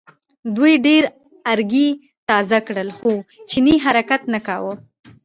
دوی ډېر ارګی تازه کړل خو چیني حرکت نه کاوه.